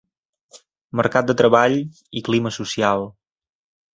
Mercat de treball i clima social.